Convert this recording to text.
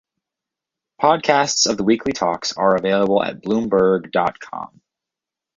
Podcasts of the weekly talks are available at Bloomberg dot com.